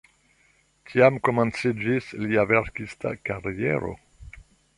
Tiam komenciĝis lia verkista kariero.